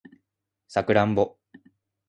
サクランボ